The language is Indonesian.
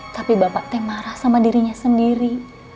tapi bapak teh marah sama dirinya sendiri